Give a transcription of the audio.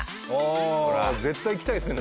ああー絶対行きたいですね。